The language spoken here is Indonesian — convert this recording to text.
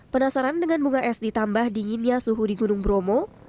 penasaran dengan bunga es ditambah dinginnya suhu di gunung bromo